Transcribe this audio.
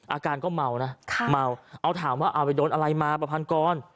อาการก็เมานะเมาเอาถามว่าเอาไปโดนอะไรมาประพันกร